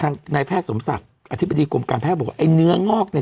ทางนายแพทย์สมศักดิ์อธิบดีกรมการแพทย์บอกไอ้เนื้องอกใน